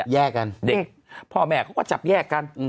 แยกกันเด็กพ่อแม่เขาก็จับแยกกัน